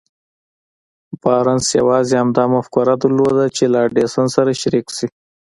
بارنس يوازې همدا مفکوره درلوده چې له ايډېسن سره شريک شي.